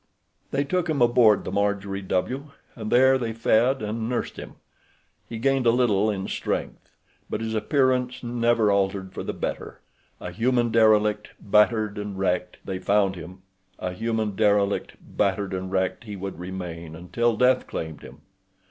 They took him aboard the Marjorie W., and there they fed and nursed him. He gained a little in strength; but his appearance never altered for the better—a human derelict, battered and wrecked, they had found him; a human derelict, battered and wrecked, he would remain until death claimed him.